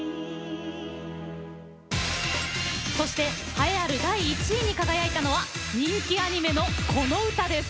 栄えある第１位に輝いたのは人気アニメの、この歌です。